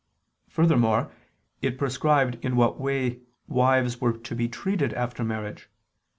Furthermore it prescribed in what way wives were to be treated after marriage.